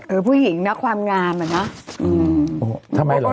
เออผู้หญิงนะความงามอะนะ